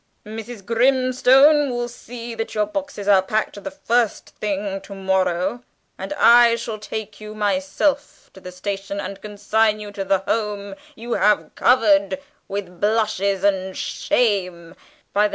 "Mrs. Grimstone will see that your boxes are packed the first thing to morrow morning, and I shall take you myself to the station and consign you to the home you have covered with blushes and shame, by the 9.